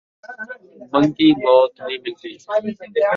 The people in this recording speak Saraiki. من٘گی موت نئیں ملدی